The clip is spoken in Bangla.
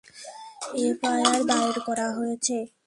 এফআইআর দায়ের করা হয়েছে।